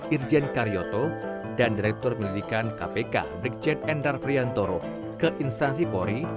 irjen karyoto dan direktur pendidikan kpk brigjen endar priantoro ke instansi polri